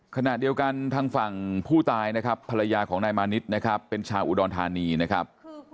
ขณะเดียวกันทางฝั่งผู้ตายนะครับภรรยาของนายมานิดนะครับเป็นชาวอุดรธานีนะครับ